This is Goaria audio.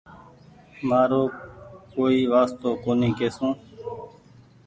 مآرو ڪوئي وآستو ڪونيٚ ڪسون